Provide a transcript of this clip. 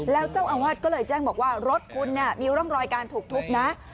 แล้วเจ้าอาวาสก็เลยแจ้งบอกว่ารถคุณมีร่องรอยการถูกทุบนะ